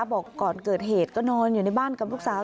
บอกก่อนเกิดเหตุก็นอนอยู่ในบ้านกับลูกสาว